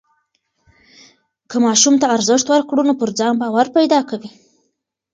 که ماشوم ته ارزښت ورکړو نو پر ځان باور پیدا کوي.